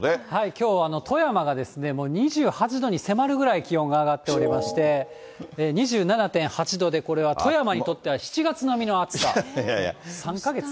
きょう、富山が２８度に迫るぐらい気温が上がっておりまして、２７．８度で、これは富山にとっては７月並みの暑さ、３か月先。